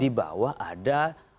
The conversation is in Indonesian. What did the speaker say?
di bawah ada merasa spiritual religi iya